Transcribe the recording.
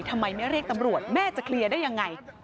ทำไมไม่เรียกตำรวจแม่จะเคลียร์ได้ยังไง